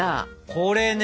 これね。